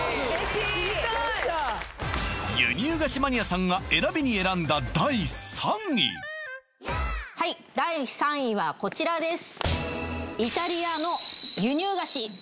知りたい輸入菓子マニアさんが選びに選んだ第３位はい第３位はこちらです